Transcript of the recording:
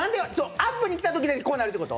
アップに来たときだけこうなるってこと？